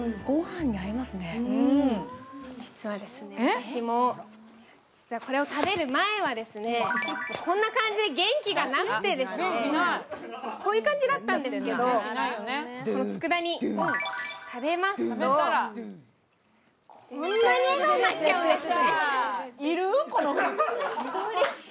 私も、これを食べる前はこんな感じで元気がなくてこういう感じだったんですけど、佃煮を食べますと、こんなに笑顔になっちゃうんです。